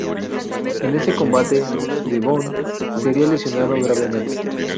En ese combate, D-Von sería lesionado gravemente.